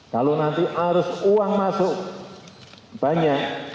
kalau nanti arus uang masuk banyak